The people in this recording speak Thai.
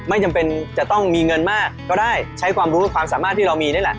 ไม่จำเป็นจะต้องมีเงินมากก็ได้ใช้ความรู้ความสามารถที่เรามีนี่แหละ